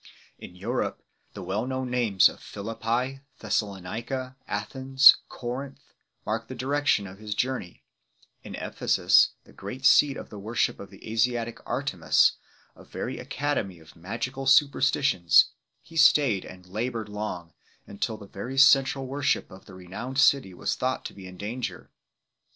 In Europe, the well known names of Philippi, Thessalonica, Athens, Corinth, mark the direction of his journey; in Ephesus, the great seat of the worship of the Asiatic Artemis, a very academy of magical superstitions, he stayed and laboured long, until the very central worship of the renowned city was thought to be in danger.